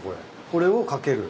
これを掛ける。